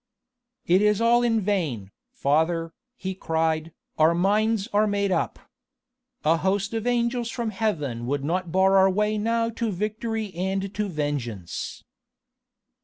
"It is all in vain, father," he cried, "our minds are made up. A host of angels from heaven would not bar our way now to victory and to vengeance."